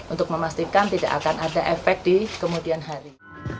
untuk memastikan tidak akan ada efek di kemudian hari